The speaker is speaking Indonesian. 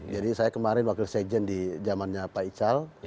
jadi saya kemarin wakil sejen di jamannya pak ical